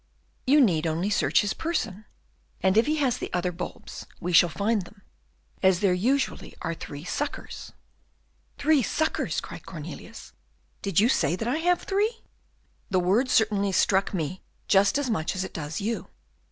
"'You need only search his person: and if he has the other bulbs, we shall find them, as there usually are three suckers!'" "Three suckers!" cried Cornelius. "Did you say that I have three?" "The word certainly struck me just as much as it does you.